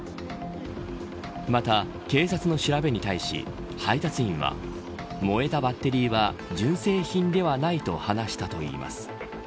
また、警察の調べに対し配達員は燃えたバッテリーは純製品ではないと話したといいます。